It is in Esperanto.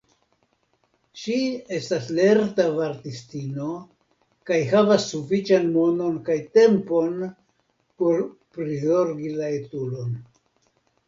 Ŝi estas lerta vartistino kaj havas sufiĉan monon kaj tempon por prizorgi la etulon.